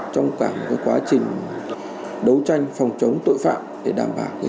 trong cả một quá trình đấu tranh phòng chống tội phạm để đảm bảo